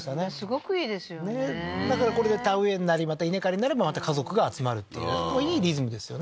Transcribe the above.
すごくいいですよねだからこれで田植えになりまた稲刈りになればまた家族が集まるっていういいリズムですよね